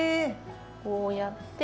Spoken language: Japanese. こうやって。